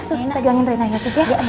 sus pegangin rena ya sus ya